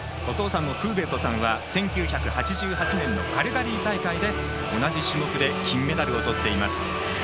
お父さんのクーべントさんは１９８８年のカルガリー大会で同じ種目で金メダルをとっています。